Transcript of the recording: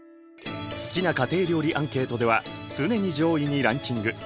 好きな家庭料理アンケートでは常に上位にランキング。